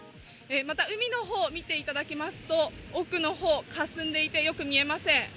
また海の方を見ていただきますと奥の方、かすんでいて、よく見えません。